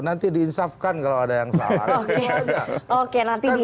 nanti diinsafkan kalau ada yang salah